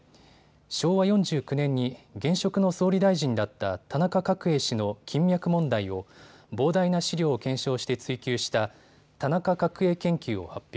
昭和４９年に現職の総理大臣だった田中角栄氏の金脈問題を膨大な資料を検証して追及した田中角栄研究を発表。